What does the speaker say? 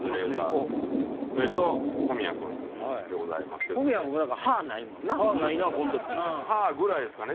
カネコそれと小宮君でございますけどもね小宮も歯ないもんな歯ないなこの時歯ぐらいですかね